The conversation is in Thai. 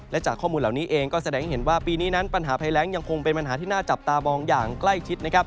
และจากข้อมูลเหล่านี้เองก็แสดงให้เห็นว่าปีนี้นั้นปัญหาภัยแรงยังคงเป็นปัญหาที่น่าจับตามองอย่างใกล้ชิดนะครับ